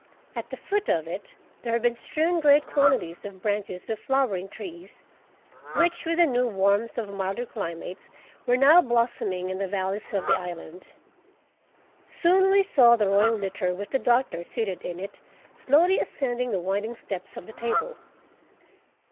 At the foot of it there had been strewn great quantities of branches of flowering trees, which with the new warmth of milder climates were now blossoming in the valleys of the island. Soon we saw the royal litter, with the Doctor seated in it, slowly ascending the winding steps of the Table.